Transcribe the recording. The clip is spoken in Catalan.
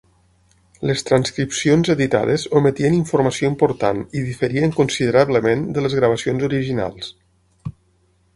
Les transcripcions editades ometien informació important i diferien considerablement de les gravacions originals.